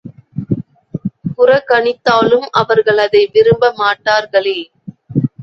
புறக்கணித்தாலும் அவர்கள் அதை விரும்பமாட்டார்களே!